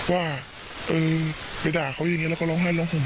ว่าเออไปด่าเขาอย่างนี้แล้วก็ร้องไห้ร้องห่ม